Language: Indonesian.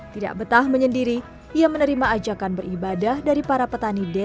tidak betah menyendiri ia menerima ajakan beribadah dari para petani desa